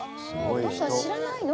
お父さん知らないの？